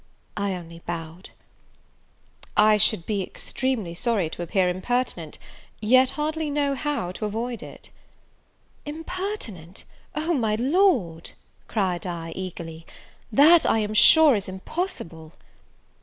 I only bowed. "I should be extremely sorry to appear impertinent, yet hardly know how to avoid it." "Impertinent! O, my Lord," cried I, eagerly, "that, I am sure, is impossible!"